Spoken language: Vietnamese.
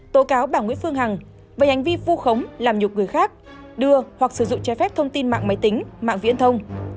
tố cáo bà nguyễn phương hằng về hành vi vu khống làm nhục người khác đưa hoặc sử dụng trái phép thông tin mạng máy tính mạng viễn thông